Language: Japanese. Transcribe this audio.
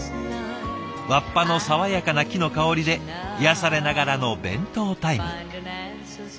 わっぱの爽やかな木の香りで癒やされながらの弁当タイム。